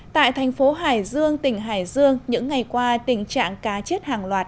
tại thành phố hải dương tỉnh hải dương những ngày qua tình trạng cá chết hàng loạt